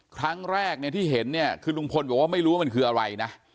ครั้งแรกเนี่ยที่เห็นเนี่ยคือลุงพลบอกว่าไม่รู้ว่ามันคืออะไรนะ